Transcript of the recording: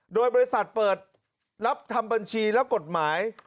โดยบริษัทเปิดรับทำบัญชีและกฎหมาย